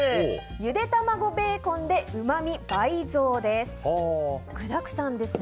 ゆで卵ベーコンでうまみ倍増です。